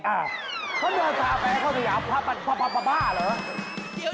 เขาเดินถามแฟนไอคอนสยามภาพแบบบ้าเหรอ